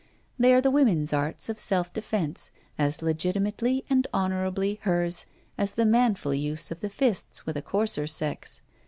They are the woman's arts of self defence, as legitimately and honourably hers as the manful use of the fists with a coarser sex.